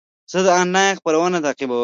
زه د انلاین خپرونه تعقیبوم.